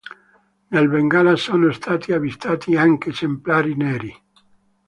Nel Bengala sono stati avvistati anche esemplari neri.